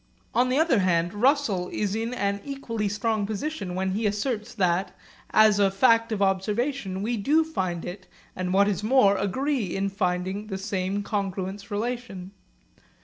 On the other hand Russell is in an equally strong position when he asserts that, as a fact of observation, we do find it, and what is more agree in finding the same congruence relation.